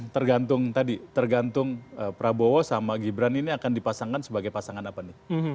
tergantung tadi tergantung prabowo sama gibran ini akan dipasangkan sebagai pasangan apa nih